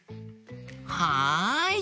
はい！